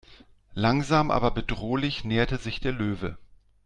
Langsam aber bedrohlich näherte sich der Löwe.